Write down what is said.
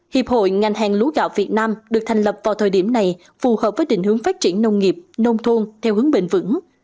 hiệp hội ngành hàng lúa gạo việt nam được thành lập vào thời điểm này phù hợp với định hướng phát triển nông nghiệp nông thôn theo hướng bền vững